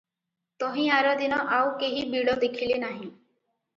ତହିଁଆରଦିନ ଆଉ କେହିବିଳ ଦେଖିଲେ ନାହିଁ ।